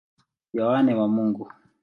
Yohane wa Mungu.